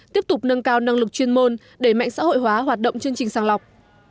tiếp tục nâng cao năng lực chuyên môn đẩy mạnh xã hội hóa hoạt động chương trình sàng lọc